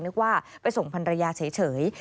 นึกว่าไปส่งพันรยาเฉย